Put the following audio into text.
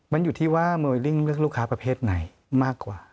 มันอยู่ที่ว่าเมลิ้งเลือกลูกค้าประเภทไหนมากกว่า